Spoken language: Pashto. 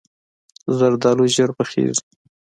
زردالو ژر پخیږي.